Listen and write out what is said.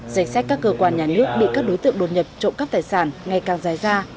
danh sách các cơ quan nhà nước bị các đối tượng đột nhập trộm cắp tài sản ngày càng dài ra